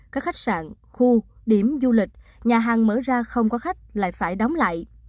các khách sạn khu điểm du lịch nhà hàng mở ra không có khách lại phải đóng lại